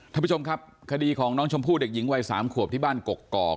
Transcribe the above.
ท่านผู้ชมครับคดีของน้องชมพู่เด็กหญิงวัย๓ขวบที่บ้านกกอก